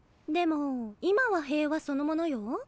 でも今は平和そのものよ。